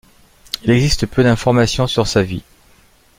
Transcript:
Il existe peu d'informations sur sa vie.